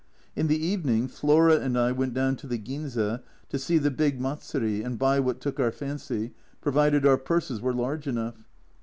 In the evening Flora and I went down to the Ginza to see the big Matsuri and buy what took our fancy, provided our purses were large enough.